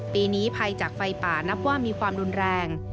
ปีนี้ภัยจากไฟป่านับว่ามีความรุนแรง